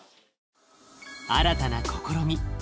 新たな試み